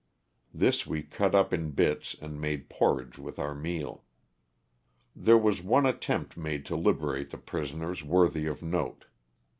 This we cut up in bits, and made porridge with our meal. There was one attempt made to liberate the prison ers worthy of note.